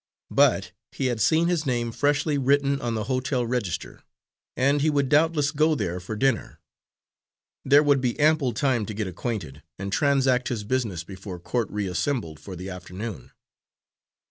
But he had seen his name freshly written on the hotel register, and he would doubtless go there for dinner. There would be ample time to get acquainted and transact his business before court reassembled for the afternoon.